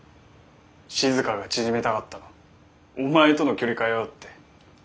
静が縮めたかったのお前との距離かよって。